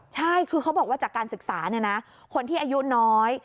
ใช่คือเขาบอกว่าจากการศึกษาคนที่อายุน้อย